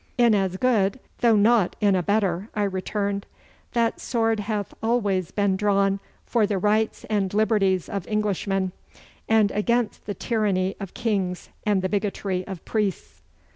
'In as good, though not in a better,' I returned. 'That sword hath always been drawn for the rights and liberties of Englishmen, and against the tyranny of kings and the bigotry of priests.